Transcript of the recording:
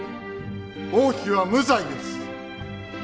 王妃は無罪です。